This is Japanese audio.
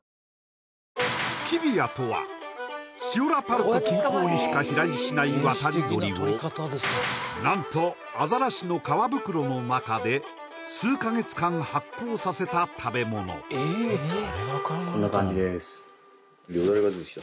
キビヤとはシオラパルク近郊にしか飛来しない渡り鳥を何とアザラシの皮袋の中で数か月間発酵させた食べ物こんな感じです